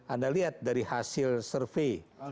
anda lihat dari hasil survei